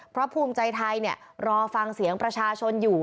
เพราะภูมิใจไทยรอฟังเสียงประชาชนอยู่